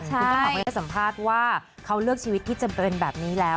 ผมก็ถามในสัมภาษณ์ว่าเขาเลือกชีวิตที่จำเป็นแบบนี้แล้ว